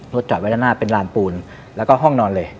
จอดไว้ด้านหน้าเป็นลานปูนแล้วก็ห้องนอนเลย